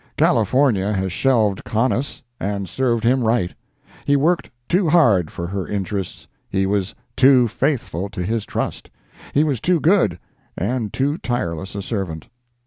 California has shelved Conness, and served him right. He worked too hard for her interests—he was too faithful to his trust—he was too good and too tireless a servant.